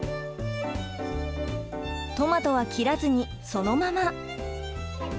トマトは切らずにそのまま。